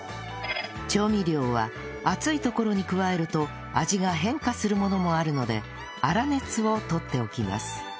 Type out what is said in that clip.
調味料は熱いところに加えると味が変化するものもあるので粗熱をとっておきます